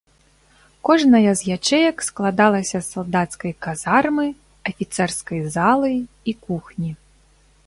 Кожная з ячэек складалася з салдацкай казармы, афіцэрскай залы і кухні.